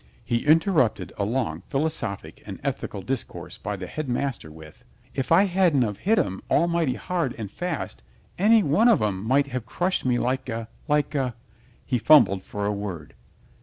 He interrupted a long philosophic and ethical discourse by the Headmaster with, "If I hadn't of hit 'em all mighty hard and fast any one of 'em might have crushed me like a, like a " He fumbled for a word.